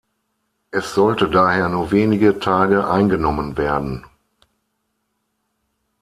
Es sollte daher nur wenige Tage eingenommen werden.